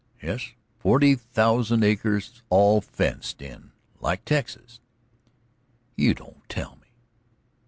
"Yes, forty thousand acres all fenced in, like Texas." "You don't tell me?"